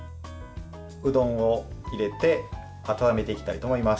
うどんを入れて温めていきたいと思います。